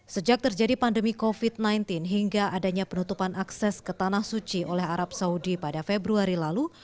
sejak terjadi pandemi covid sembilan belas hingga adanya penutupan akses ke tanah suci oleh arab saudi pada februari lalu